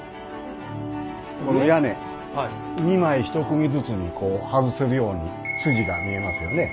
この屋根２枚１組ずつにこう外せるように筋が見えますよね。